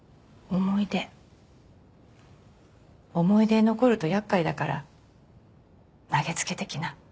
思い出残ると厄介だから投げつけてきな。